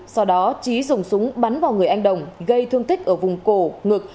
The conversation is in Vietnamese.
sau đó trí dùng súng bắn vào người anh đồng gây thương tích ở vùng cổ ngực